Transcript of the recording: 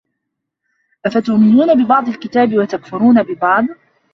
أَفَتُؤْمِنُونَ بِبَعْضِ الْكِتَابِ وَتَكْفُرُونَ بِبَعْضٍ ۚ